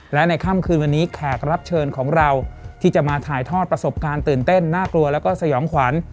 และในค่ำคืนวันนี้แขกรับเชิญของเราที่จะมาถ่ายทอดประสบการณ์ตื่นเต้นน่ากลัวแล้วก็สยองขวัญ